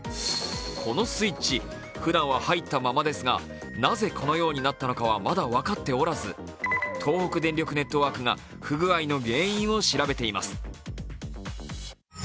このスイッチ、ふだんは入ったままですが、なぜこのようになったのかはまだ分かっておらず東北電力ネットワークが不具合の原因を調べています。